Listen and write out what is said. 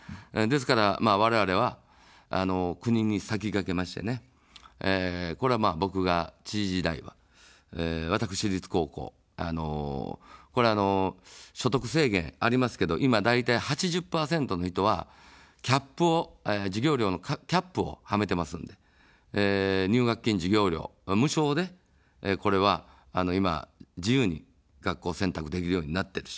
ですから、われわれは国に先駆けましてね、これは僕が知事時代は、私立高校、これは所得制限ありますけど、今大体８０％の人は、授業料のキャップをはめてますので、入学金、授業料無償でこれは今、自由に学校選択できるようになってるし。